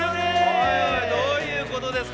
おいおいどういうことですかこれ？